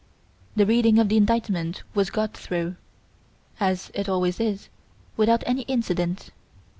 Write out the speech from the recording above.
The reading of the indictment was got through, as it always is, without any incident.